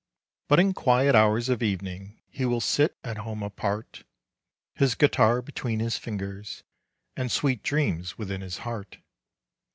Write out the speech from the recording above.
But in quiet hours of evening He will sit at home apart, His guitar between his fingers, And sweet dreams within his heart.